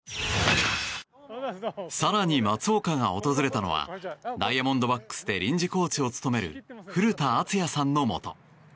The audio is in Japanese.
更に松岡が訪れたのはダイヤモンドバックスで臨時コーチを務める古田敦也さんのもと。